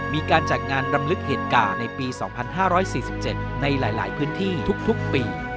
มีการจัดงานรำลึกเหตุการณ์ในปี๒๕๔๗ในหลายพื้นที่ทุกปี